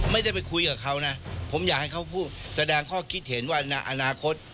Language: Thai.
ไม่ได้ไปคุยกับเขานะผมอยากให้เขาพูดแสดงข้อคิดเห็นว่าในอนาคต